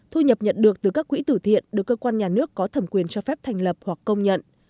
thu nhập nhận được từ các quỹ tử thiện được cơ quan nhà nước có thẩm quyền cho phép thành lập hoặc công nhận